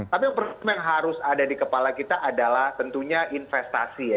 tapi yang harus ada di kepala kita adalah tentunya investasi ya